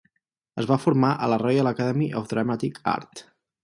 Es va formar a la Royal Academy of Dramatic Art.